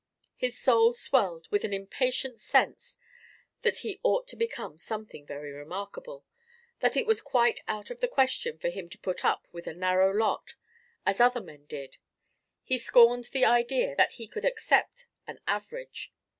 His soul swelled with an impatient sense that he ought to become something very remarkable—that it was quite out of the question for him to put up with a narrow lot as other men did: he scorned the idea that he could accept an average.